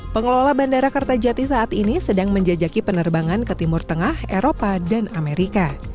pengelola bandara kertajati saat ini sedang menjajaki penerbangan ke timur tengah eropa dan amerika